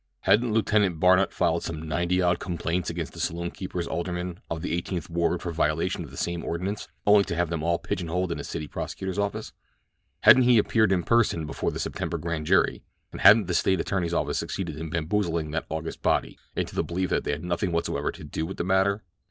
Hadn't Lieutenant Barnut filed some ninety odd complaints against the saloon keeper alderman of the Eighteenth Ward for violation of this same ordinance, only to have them all pigeonholed in the city prosecutor's office? Hadn't he appeared in person before the September Grand Jury, and hadn't the state Attorney's office succeeded in bamboozling that August body into the belief that they had nothing whatsoever to do with the matter?